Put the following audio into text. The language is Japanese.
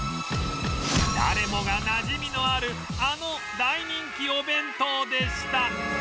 誰もがなじみのあるあの大人気お弁当でした